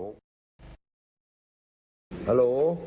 ฮาโหล